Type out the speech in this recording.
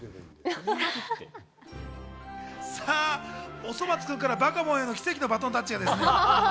おそ松くんからバカボンへの奇跡のバトンタッチです。